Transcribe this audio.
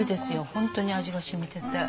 本当に味がしみてて。